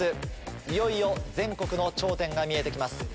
いよいよ全国の頂点が見えて来ます。